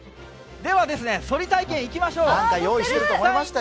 ではそり体験、いきましょう。